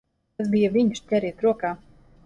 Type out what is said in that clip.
Tas bija viņš! Ķeriet rokā!